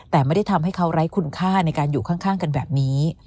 แต่ไม่ได้ทำให้เขาไร้คุณค่าในการอยู่ข้างกันแบบนี้